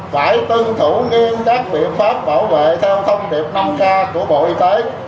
phải tuân thủ nghiêm các biện pháp bảo vệ theo thông điệp năm k của bộ y tế